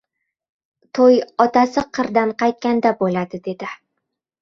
— To‘y otasi qirdan qaytganda bo‘ladi, — dedi.